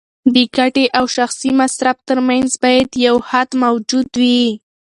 د ګټې او شخصي مصرف ترمنځ باید یو حد موجود وي.